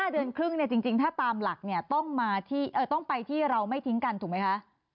เดือนครึ่งจริงถ้าตามหลักเนี่ยต้องไปที่เราไม่ทิ้งกันถูกไหมคะ